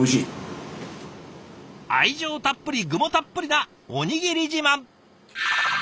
愛情たっぷり具もたっぷりなおにぎり自慢。